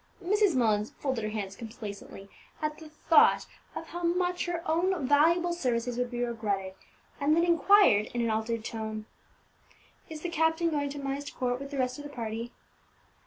Mrs. Mullins folded her hands complacently at the thought of how much her own valuable services would be regretted, and then inquired, in an altered tone, "Is the captain going to Myst Court with the rest of the party?"